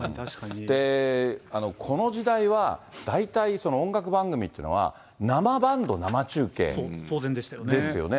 この時代は、大体音楽番組っていうのは、生バンド、生中継。ですよね。